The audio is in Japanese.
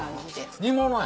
煮物や！